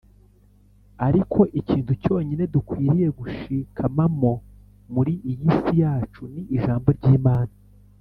Ariko ikintu cyonyine dukwiriye gushikamaho muri iyi si yacu ni ijambo ry’Imana.